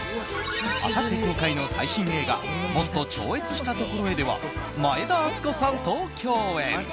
あさって公開の最新映画「もっと超越した所へ。」では前田敦子さんと共演。